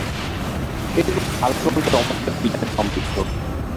এটি খুব হালকা ও চমৎকার ফিচার সমৃদ্ধ।